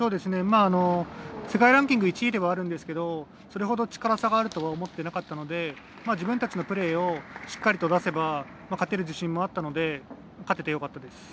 世界ランキング１位ですがそれほど力の差があるとは思っていなかったので自分たちのプレーをしっかり出せば勝てる自信もあったので勝ててよかったです。